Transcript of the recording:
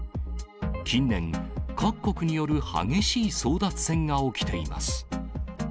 近年、各国による激しい争奪戦が起きています。